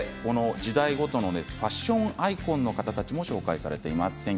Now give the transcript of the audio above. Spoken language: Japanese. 時代ごとのファッションアイコンも紹介されています。